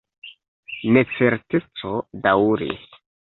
Necerteco daŭris.